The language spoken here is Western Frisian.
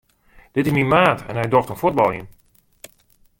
Dit is myn maat en hy docht oan fuotbaljen.